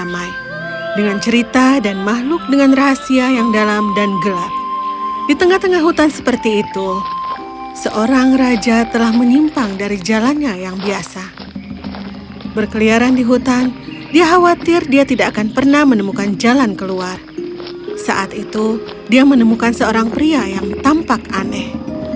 saat itu dia menemukan seorang pria yang tampak aneh